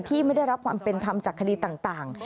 ไม่ได้รับความเป็นธรรมจากคดีต่าง